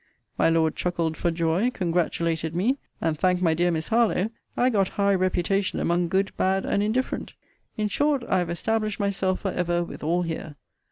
My Lord chuckled for joy; congratulated me; and, thank my dear Miss Harlowe, I got high reputation among good, bad, and indifferent. In short, I have established myself for ever with all here.